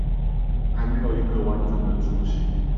還沒有一個完整的雛型